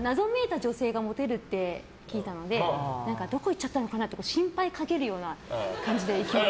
謎めいた女性がモテるって聞いたのでどこ行っちゃったのかなって心配かける感じで行きましたね。